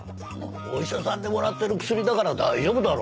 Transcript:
お医者さんでもらってる薬だから大丈夫だろ？